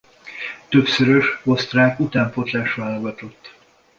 Többszörös osztrák utánpótlás-válogatott.